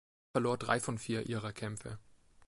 Er verlor drei von vier ihrer Kämpfe.